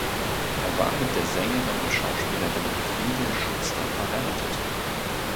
Er war mit der Sängerin und Schauspielerin Friedel Schuster verheiratet.